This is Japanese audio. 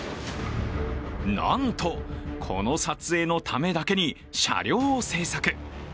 なんと、この撮影のためだけに車両を製作。